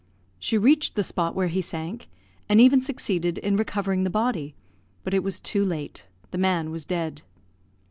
She reached the spot where he sank, and even succeeded in recovering the body; but it was too late; the man was dead.